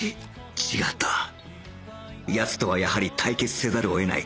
奴とはやはり対決せざるを得ない運命なのだ